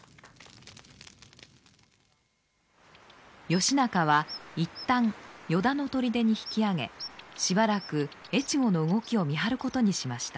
義仲は一旦依田のとりでに引き揚げしばらく越後の動きを見張ることにしました。